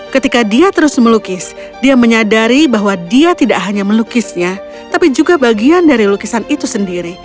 ketika dia terus melukis dia menyadari bahwa dia tidak hanya melukisnya tapi juga bagian dari lukisan itu sendiri